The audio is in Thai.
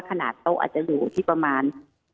โต๊ะอาจจะอยู่ที่ประมาณ